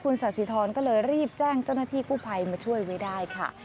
สาธิธรก็เลยรีบแจ้งเจ้าหน้าที่กู้ภัยมาช่วยไว้ได้ค่ะ